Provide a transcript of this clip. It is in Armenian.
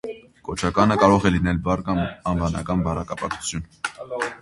Կոչականը կարող է լինել բառ կամ անվանական բառակապակցություն։